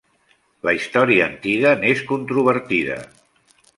La història antiga n'és controvertida.